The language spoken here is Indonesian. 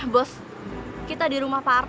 bos kita di rumah pa arta